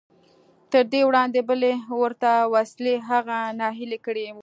تر دې وړاندې بلې ورته وسیلې هغه ناهیلی کړی و